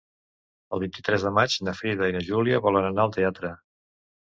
El vint-i-tres de maig na Frida i na Júlia volen anar al teatre.